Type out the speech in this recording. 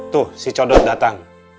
tuh si codot datang